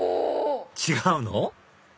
違うの？